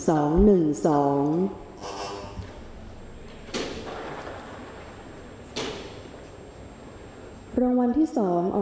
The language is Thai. ออกรวมที่สองครั้งที่สี่เลขที่สี่เลขที่ออก